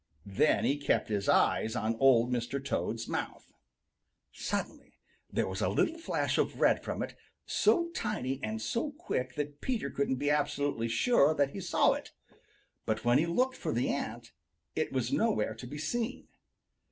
Then he kept his eyes on Old Mr. Toad's mouth. Suddenly there was a little flash of red from it, so tiny and so quick that Peter couldn't be absolutely sure that he saw it. But when he looked for the ant, it was nowhere to be seen.